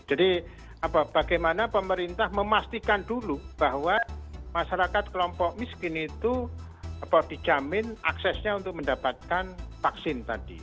jadi bagaimana pemerintah memastikan dulu bahwa masyarakat kelompok miskin itu dijamin aksesnya untuk mendapatkan vaksin tadi